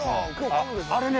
あれね。